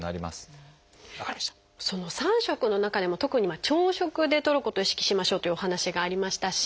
その三食の中でも特に朝食でとることを意識しましょうというお話がありましたし